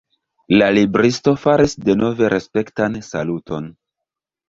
La libristo faris denove respektan saluton.